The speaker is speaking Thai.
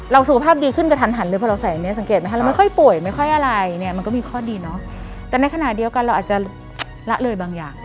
เราสุขภาพดีขึ้นก็ทันทันเลยพอเราใส่อย่างเนี้ยสังเกตไหมคะเราไม่ค่อยป่วยไม่ค่อยอะไรเนี้ยมันก็มีข้อดีเนอะ